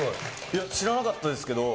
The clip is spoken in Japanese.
知らなかったですけど。